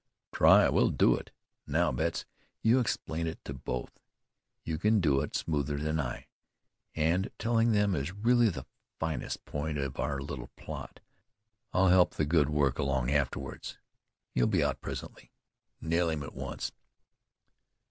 "Try? We'll do it! Now, Betts, you explain it to both. You can do it smoother than I, and telling them is really the finest point of our little plot. I'll help the good work along afterwards. He'll be out presently. Nail him at once."